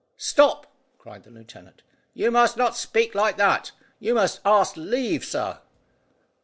"Stop!" cried the lieutenant, "you must not speak like that. You must ask leave, sir."